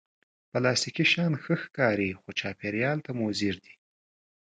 پلاستيکي شیان ښه ښکاري، خو چاپېریال ته مضر دي